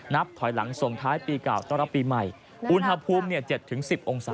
นับถอยหลังส่งท้ายปีเก่าต้อนรับปีใหม่อุณหภูมิเนี่ย๗๑๐องศา